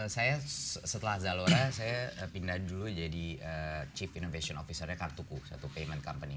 saya setelah zalora saya pindah dulu jadi chief innovation officernya kartuku satu payment company